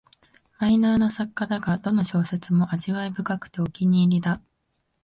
マイナーな作家だが、どの小説も味わい深くてお気に入りだ